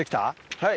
はい。